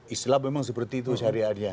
istilah memang seperti itu syariahnya